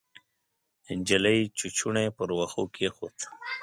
نجلۍ چوچوڼی پر وښو کېښود.